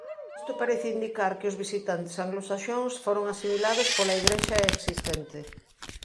Isto parece indicar que os visitantes anglosaxóns foron asimilados pola igrexa existente.